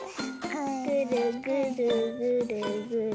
ぐるぐるぐるぐる。